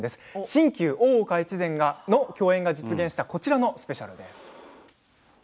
新旧「大岡越前」の共演が実現したこちらのスペシャルです。